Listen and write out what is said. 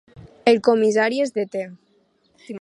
El comissari es deté.